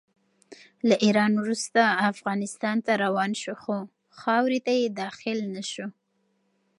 له ایران وروسته افغانستان ته روان شو، خو خاورې ته یې داخل نه شو.